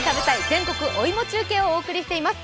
全国お芋中継をお送りしています。